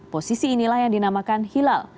posisi inilah yang dinamakan hilal